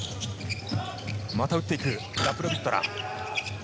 また打っていく、ラプロビットラ。